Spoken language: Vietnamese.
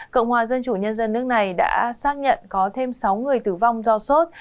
cộng hòa dân chủ nhân dân nước này đã xác nhận có thêm sáu người tử vong do sốt